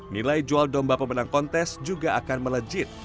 nilai jual domba pemenang kontes juga akan melejit